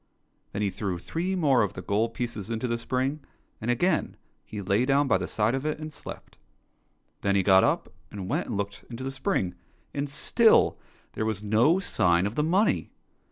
Then he threw three more of the gold pieces into the spring, and again he lay down by the side of it and slept. Then he got up and went and looked into the spring, and still there was no sign of the money.